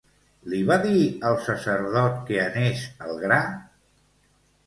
Li va dir al sacerdot que anés al gra?